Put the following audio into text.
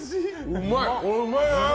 うまいな。